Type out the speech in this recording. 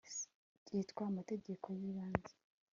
cyitwa Amategeko y Ibanze